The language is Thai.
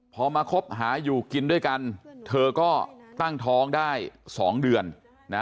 พอมาคบหาอยู่กินด้วยกันเธอก็ตั้งท้องได้๒เดือนนะ